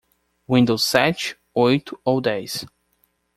Windows sete, oito ou dez.